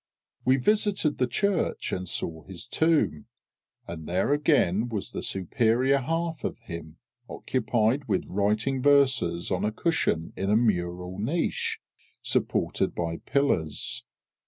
We visited the church, and saw his tomb, and there again was the superior half of him occupied with writing verses on a cushion in a mural niche, supported by pillars.